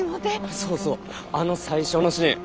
そうそうあの最初のシーン。